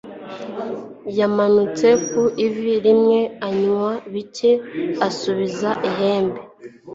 yamanutse ku ivi rimwe, anywa bike asubiza ihembe